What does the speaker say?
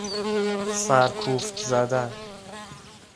سرکوفت زدن